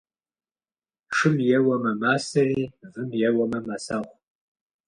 Шым еуэмэ масэри, вым еуэмэ мэсэхъу.